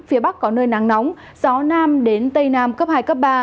phía bắc có nơi nắng nóng gió nam đến tây nam cấp hai cấp ba